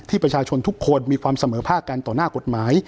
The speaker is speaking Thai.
ประชาชนทุกคนมีความเสมอภาคกันต่อหน้ากฎหมาย